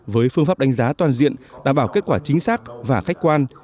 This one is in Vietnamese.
với phương pháp đánh giá toàn diện đảm bảo kết quả chính xác và khách quan